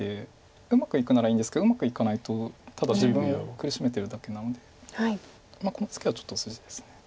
うまくいくならいいんですけどうまくいかないとただ自分を苦しめてるだけなのでこのツケはちょっと筋です。